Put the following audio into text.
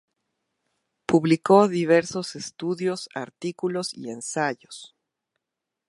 Publicó diversos estudios, artículos y ensayos.